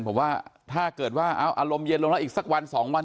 ผมว่าถ้าเกิดว่าเอาอารมณ์เย็นลงแล้วอีกสักวันสองวัน